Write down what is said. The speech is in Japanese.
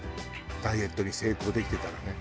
ダイエットに成功できてたらね。